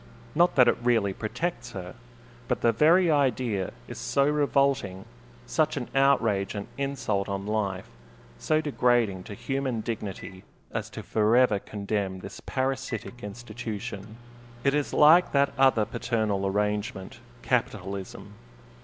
Not that it really protects her, but the very idea is so revolting, such an outrage and insult on life, so degrading to human dignity, as to forever condemn this parasitic institution. It is like that other paternal arrangement capitalism.